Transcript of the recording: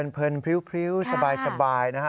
เพลินพริ้วสบายนะฮะ